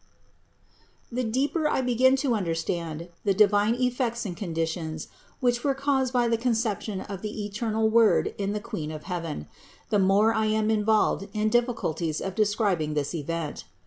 158. The deeper I begin to understand the divine ef fects and conditions which were caused by the concep tion of the eternal Word in the Queen of heaven, the more am I involved in the difficulties of describing this event.